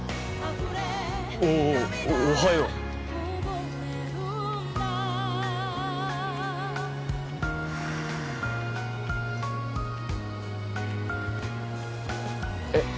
おっおおおはようえっ？